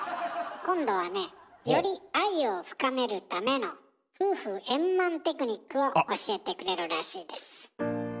今度はねより愛を深めるための夫婦円満テクニックを教えてくれるらしいです。